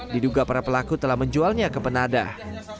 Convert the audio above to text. diduga para pelaku telah menjualnya ke penadah